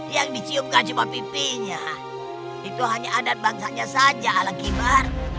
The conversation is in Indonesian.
yang diciumkan cuma pipinya itu hanya adat bangsa nya saja alang kibar